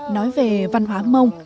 nói về văn hóa mông